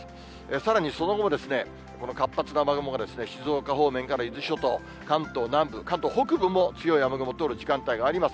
さらにその後もですね、この活発な雨雲が静岡方面から伊豆諸島、関東南部、関東北部も強い雨雲通る時間帯があります。